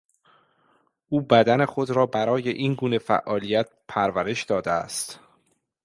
او بدن خود را برای اینگونه فعالیت پرورش داده است.